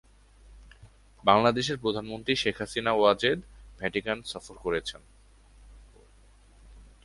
বাংলাদেশের প্রধানমন্ত্রী শেখ হাসিনা ওয়াজেদ ভ্যাটিকান সফর করেছেন।